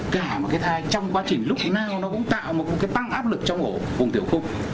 cả một cái thai trong quá trình lúc nào nó cũng tạo một cái tăng áp lực trong vùng tiểu khung